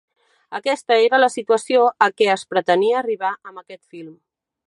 Aquesta era la situació a què es pretenia arribar amb aquest film.